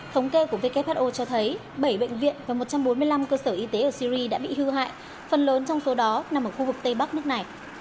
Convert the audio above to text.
thống kê của who cho thấy bảy bệnh viện và một trăm bốn mươi năm cơ sở y tế ở syri đã bị hư hại phần lớn trong số đó nằm ở khu vực tây bắc nước này